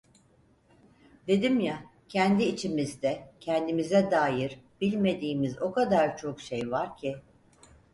Dedim ya, kendi içimizde, kendimize dair bilmediğimiz o kadar çok şey var ki…